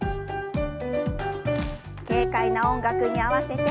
軽快な音楽に合わせて。